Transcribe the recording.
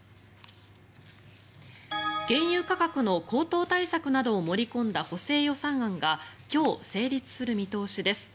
原油価格の高騰対策などを盛り込んだ補正予算案が今日、成立する見通しです。